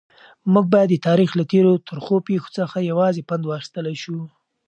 موږ باید د تاریخ له تېرو ترخو پیښو څخه یوازې پند واخیستلای شو.